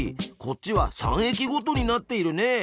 こっちは３駅ごとになっているね！